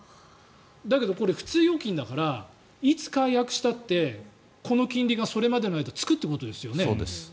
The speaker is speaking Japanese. だけど、これ普通預金だからいつ解約したってこの金利が、それまでの間つくってことですよね。